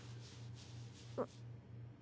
あっ。